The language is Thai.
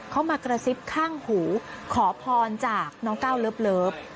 เขามากระซิบข้างหูขอพรจากน้องก้าวเลิฟ